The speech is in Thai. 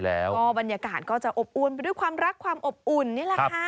แล้วก็บรรยากาศก็จะอบอวนไปด้วยความรักความอบอุ่นนี่แหละค่ะ